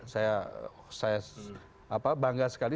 saya bangga sekali